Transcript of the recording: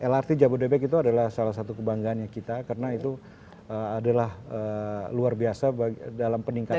lrt jabodebek itu adalah salah satu kebanggaannya kita karena itu adalah luar biasa dalam peningkatan